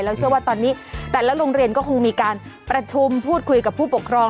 แล้วเชื่อว่าตอนนี้แต่ละโรงเรียนก็คงมีการประชุมพูดคุยกับผู้ปกครอง